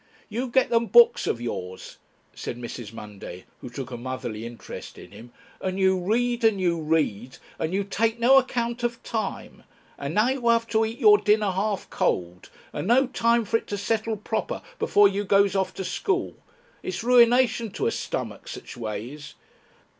"You get them books of yours," said Mrs. Munday, who took a motherly interest in him, "and you read and you read, and you take no account of time. And now you'll have to eat your dinner half cold, and no time for it to settle proper before you goes off to school. It's ruination to a stummik such ways."